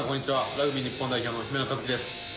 ラグビー日本代表の姫野和樹です。